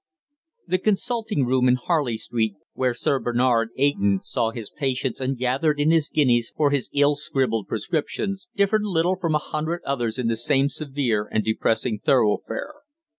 The consulting room in Harley Street, where Sir Bernard Eyton saw his patients and gathered in his guineas for his ill scribbled prescriptions, differed little from a hundred others in the same severe and depressing thoroughfare.